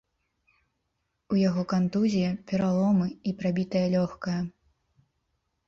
У яго кантузія, пераломы і прабітае лёгкае.